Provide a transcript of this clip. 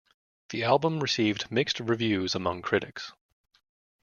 The album received mixed reviews among critics.